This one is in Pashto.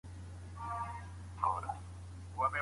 کله کله انسان د دوو شرونو يا تاوانونو تر منځ واقع سي.